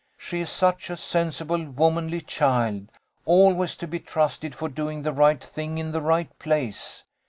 She is such a sensible, womanly child, always to be trusted for doing the right thing in the right place.